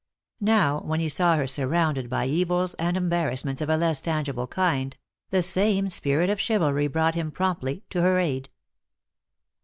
Now, when he saw her sur rounded by evils and embarrassments of a less tangi ble kind, the same spirit of chivalry brought him promptly to her aid.